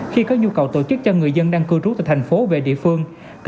khi có nhu cầu tổ chức cho người dân